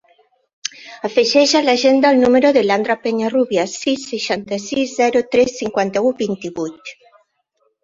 Afegeix a l'agenda el número de l'Andra Peñarrubia: sis, seixanta-sis, zero, tres, cinquanta-u, vint-i-vuit.